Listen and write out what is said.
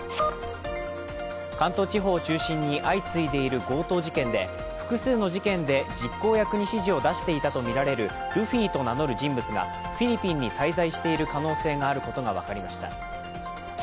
関東地方を中心に相次いでいる強盗事件で複数の事件で実行役に指示を出していたとみられるルフィと名乗る人物がフィリピンに滞在している可能性があることが分かりました。